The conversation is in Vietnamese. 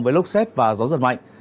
với lúc xét và gió giật mạnh